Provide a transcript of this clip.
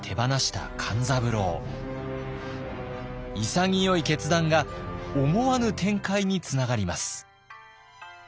潔い決断が思わぬ展開につながります。